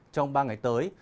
trong ba ngày tới